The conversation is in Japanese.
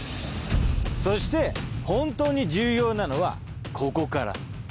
そして本当に重要なのはここから。